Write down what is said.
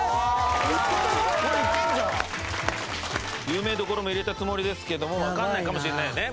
有名どころも入れたつもりですけどもわかんないかもしれないよね。